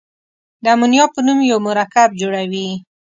د امونیا په نوم یو مرکب جوړوي.